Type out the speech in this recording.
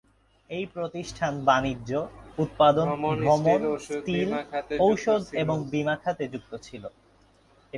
এই প্রতিষ্ঠান বাণিজ্য, উৎপাদন, ভ্রমণ, স্টিল, ওষুধ এবং বিমা খাতে যুক্ত ছিল।